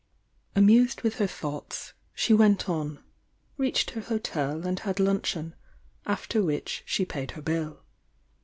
Amused with her thoughts, she went on, reached her hotel and had luncheon, after which she paid her bill.